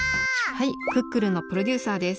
はい「クックルン」のプロデューサーです。